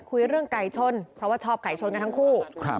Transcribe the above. คุยเรื่องไก่ชนเพราะว่าชอบไก่ชนกันทั้งคู่